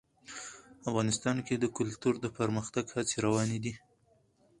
افغانستان کې د کلتور د پرمختګ هڅې روانې دي.